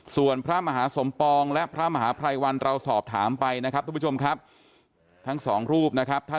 ส่วนพระมหาสมปองและพระมหาพลัยวันเราสอบถามไปทั้ง๒รูป